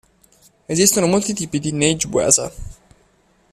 Esistono molti tipi di nage-waza.